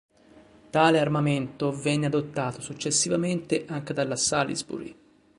Tale armamento venne adottato successivamente anche dalla "Salisbury".